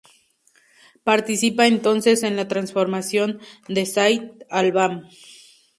Participa entonces en la transformación de Saint-Alban.